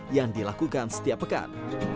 yang dilakukan setiap pekan